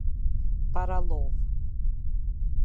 Parallovë